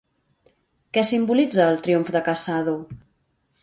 Què simbolitza el triomf de Casado?